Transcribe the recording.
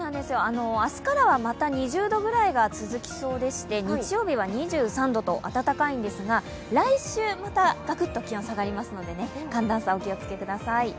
明日からはまた２０度ぐらいが続きそうで日曜日は２３度と暖かいんですが、来週またガクッと気温下がりますので寒暖差、お気をつけください。